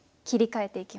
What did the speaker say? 切り替えて。